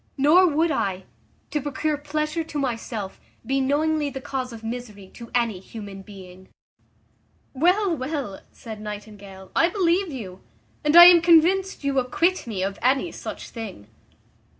Nor would I, to procure pleasure to myself, be knowingly the cause of misery to any human being." "Well, well," said Nightingale, "I believe you, and I am convinced you acquit me of any such thing."